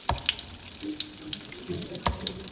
He uses Chris to organize a sensitive hit on Rusty Millio.